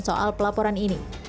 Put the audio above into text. soal pelaporan ini